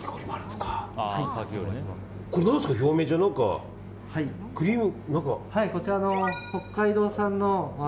これ何ですか、表面クリーム？